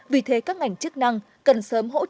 vì thế các ngành chức năng cần sớm hoàn toàn